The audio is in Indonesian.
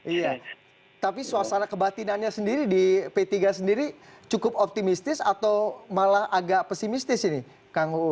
iya tapi suasana kebatinannya sendiri di p tiga sendiri cukup optimistis atau malah agak pesimistis ini kang uu